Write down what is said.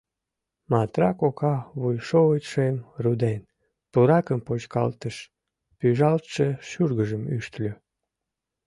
— Матра кока вуйшовычшым руден, пуракым почкалтыш, пӱжалтше шӱргыжым ӱштыльӧ.